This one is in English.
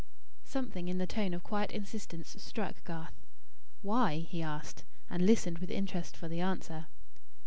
Something in the tone of quiet insistence struck Garth. "Why?" he asked; and listened with interest for the answer.